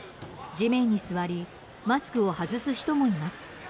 地面に座りマスクを外す人もいます。